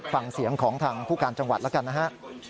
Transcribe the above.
ฟังเสียงของทางผู้การจังหวัดแล้วกันนะฮะ